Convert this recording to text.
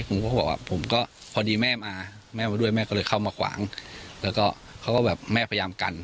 ผมก็บอกว่าผมก็พอดีแม่มาแม่มาด้วยแม่ก็เลยเข้ามาขวางแล้วก็เขาก็แบบแม่พยายามกัน